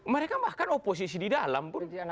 mereka bahkan oposisi di dalam pun